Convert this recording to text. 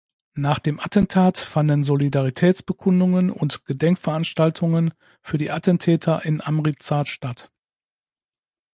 Nach dem Attentat fanden Solidaritätsbekundungen und Gedenkveranstaltungen für die Attentäter in Amritsar statt.